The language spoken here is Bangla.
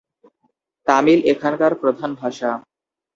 তামিল এখানকার প্রধান মাতৃভাষা।